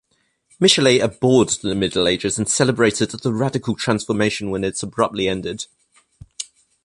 Michelet abhorred the Middle Ages, and celebrated the radical transformation when it abruptly ended.